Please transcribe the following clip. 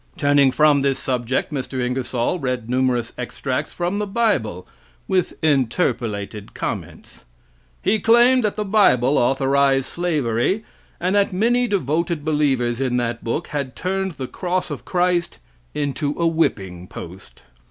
Turning from this subject, Mr. Ingersoll read numerous extracts from the bible, with interpolated comments. He claimed that the bible authorized slavery, and that many devoted believers in that book had turned the cross of Christ into a whipping post.